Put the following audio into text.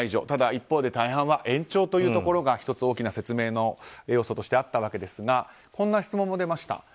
ただ一方で大半は延長というのが１つ大きな説明の要素としてあったわけですがこんな質問も出ました。